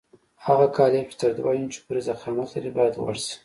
هغه قالب چې تر دوه انچو پورې ضخامت لري باید غوړ شي.